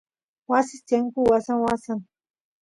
wasis tiyanku wasan wasan